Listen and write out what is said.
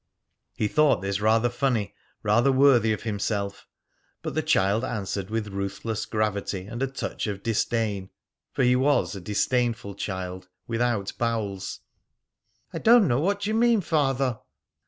He thought this rather funny, rather worthy of himself, but the child answered with ruthless gravity and a touch of disdain, for he was a disdainful child, without bowels: "I don't know what you mean, Father."